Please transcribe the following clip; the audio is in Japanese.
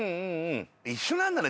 一緒なんだね。